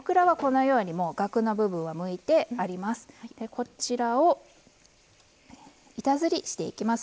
こちらを板ずりしていきます。